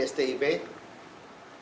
terjatuhlah hari ini hari ini